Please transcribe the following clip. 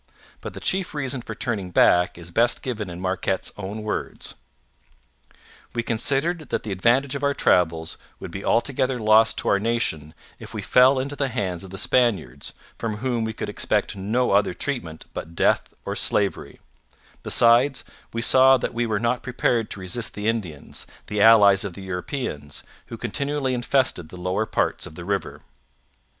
But the chief reason for turning back is best given in Marquette's own words: We considered that the advantage of our travels would be altogether lost to our nation if we fell into the hands of the Spaniards, from whom we could expect no other treatment but death or slavery; besides, we saw that we were not prepared to resist the Indians, the allies of the Europeans, who continually infested the lower part of the river.